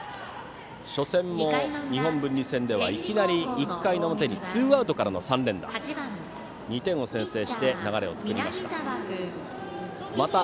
初戦も、日本文理戦ではいきなり１回表のツーアウトからの３連打で２点を先制して流れを作りました。